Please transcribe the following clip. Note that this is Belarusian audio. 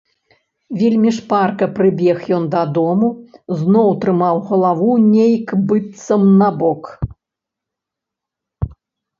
Вельмі шпарка прыбег ён дадому, зноў трымаў галаву нейк быццам набок.